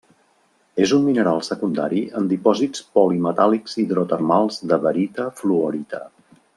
És un mineral secundari en dipòsits polimetàl·lics hidrotermals de barita-fluorita.